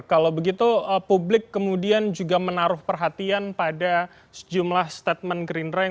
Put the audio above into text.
kalau begitu publik kemudian juga menaruh perhatian pada sejumlah statement gerindra yang